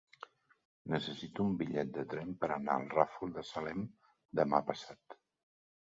Necessito un bitllet de tren per anar al Ràfol de Salem demà passat.